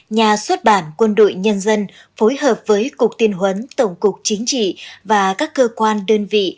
nhà xuất bản quân đội nhân dân phối hợp với cục tiên huấn tổng cục chính trị và các cơ quan đơn vị